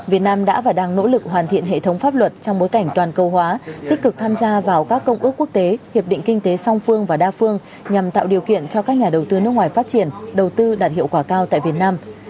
việt nam đã và đang nỗ lực hoàn thiện hệ thống pháp luật trong bối cảnh toàn cầu hóa tích cực tham gia vào các công ước quốc tế hiệp định kinh tế song phương và đa phương nhằm tạo điều kiện cho các nhà đầu tư nước ngoài phát triển đầu tư đạt hiệu quả cao tại việt nam